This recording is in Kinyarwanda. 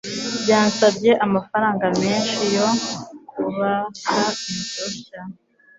Byansabye amafaranga menshi yo kubaka inzu nshya.